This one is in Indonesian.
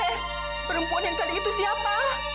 eh perempuan yang tadi itu siapa